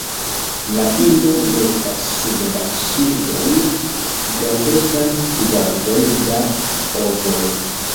La ino metas sub la ŝildon grandegan kvanton da ovoj.